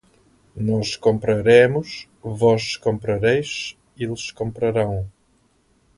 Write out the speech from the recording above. Nós compraremos, vós comprareis, eles comprarão